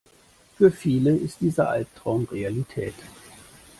Für viele ist dieser Albtraum Realität.